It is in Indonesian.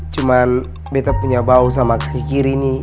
cuman betta punya bau sama kaki kiri nih